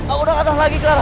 aku udah kena lagi clara